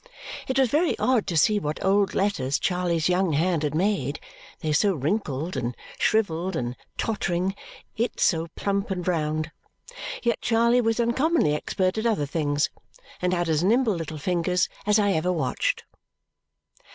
It was very odd to see what old letters Charley's young hand had made, they so wrinkled, and shrivelled, and tottering, it so plump and round. Yet Charley was uncommonly expert at other things and had as nimble little fingers as I ever watched.